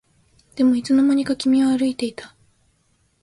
でもいつの間にか君は歩いていた